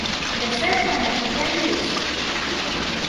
لەسەر قەنەفەکە نووست